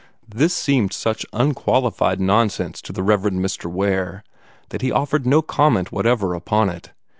This seemed such unqualified nonsense to the Rev. Mr. Ware that he offered no comment whatever upon it.